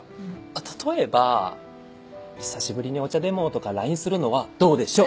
例えば「久しぶりにお茶でも」とかＬＩＮＥするのはどうでしょう？